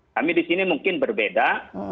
kami di sini mungkin berbeda